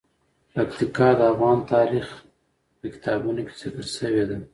پکتیکا د افغان تاریخ په کتابونو کې ذکر شوی دي.